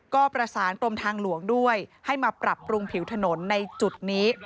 ก็ประสานกรมทางหลวงด้วยให้มาปรับปรุงผิวถนนในจุดนี้